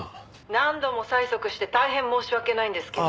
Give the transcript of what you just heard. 「何度も催促して大変申し訳ないんですけど」